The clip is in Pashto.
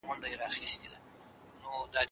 د اقتصادي پرمختيا تيوري ځانګړې مانا لري.